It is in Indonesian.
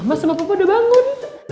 mama sama papa udah bangun